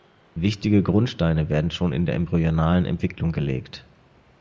Wichtige Grundsteine werden schon in der embryonalen Entwicklung gelegt.